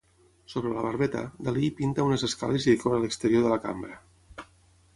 Sobre la barbeta, Dalí, hi pinta unes escales i decora l'exterior de la cambra.